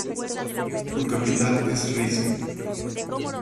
Su capital es Rize.